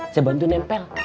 saya bantuin nempel